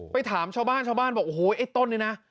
ไปถามชาวบ้านบอกโอ้โหไอ้ต้นเนี่ยนะ